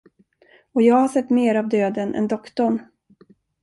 Och jag har sett mer av döden än doktorn.